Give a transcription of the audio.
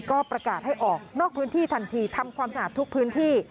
ก็ประกาศให้ออกนอกพื้นที่ทันทีทำความสะอาดทุกพื้นที่